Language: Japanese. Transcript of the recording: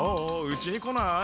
うちに来ない？